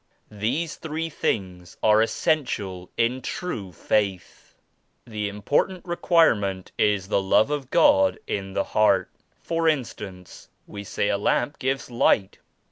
These three things are es sential in true Faith. The important require ment is the Love of God in the heart. For in stance we say a lamp gives light.